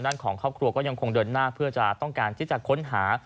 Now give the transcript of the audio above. ของครอบครัวก็ยังคงเดินหน้าเพื่อจะต้องการที่จะค้นหา